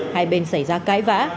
hai bên xảy ra cãi vã